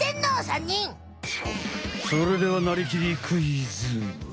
それではなりきりクイズ！